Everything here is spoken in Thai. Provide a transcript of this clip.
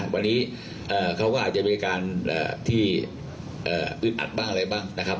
วันนี้เขาก็อาจจะมีการที่อึดอัดบ้างอะไรบ้างนะครับ